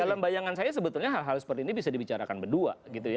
dalam bayangan saya sebetulnya hal hal seperti ini bisa dibicarakan berdua